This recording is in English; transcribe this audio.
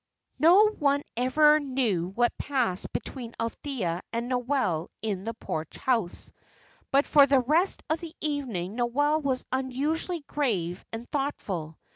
No one ever knew what passed between Althea and Noel in the Porch House; but, for the rest of the evening, Noel was unusually grave and thoughtful.